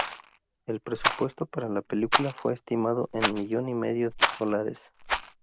El presupuesto para la película fue estimado en millón y medio de dólares.